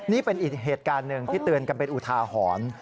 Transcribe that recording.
นี่เป็นอีกเหตุการณ์หนึ่งที่เตือนกันเป็นอุทาหรณ์